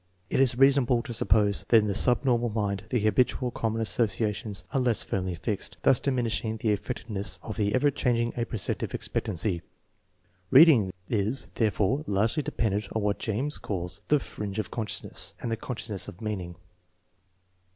It is reasonable to suppose that in the subnormal mind the habitual common associa tions are less firmly fixed, thus diminishing the effective ness of the ever changing apperceptive expectancy. Read ing is, therefore, largely dependent on what James calls the " fringe of consciousness " and the " consciousness of meaning."